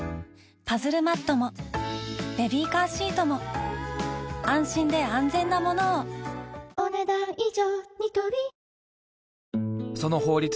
パズルマットもベビーカーシートも安心で安全なものをお、ねだん以上。